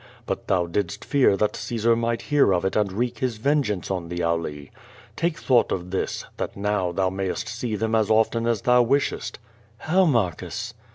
lUit thou didst fear that Caesar might hear of it and wreak his vengeance on the Auli. Take thought of this, that now thou mayest see them as often as thou wishest." "How, Marcus?"